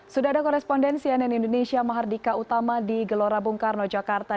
sudah ada koresponden cnn indonesia mahardika utama di gelora bung karno jakarta